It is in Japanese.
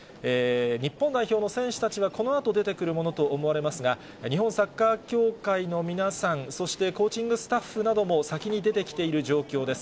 日本代表の選手たちはこのあと出てくるものと思われますが、日本サッカー協会の皆さん、そしてコーチングスタッフなども先に出てきている状況です。